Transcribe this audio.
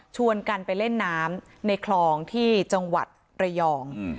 กันไปเล่นน้ำในคลองที่จังหวัดระยอง